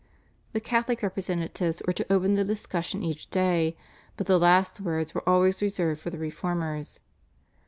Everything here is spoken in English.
The Catholic representatives were to open the discussion each day, but the last word was always reserved for the Reformers.